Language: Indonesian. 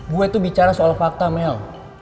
gue itu bicara soal fakta mel